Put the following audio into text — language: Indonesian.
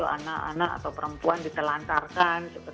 anak anak atau perempuan ditelantarkan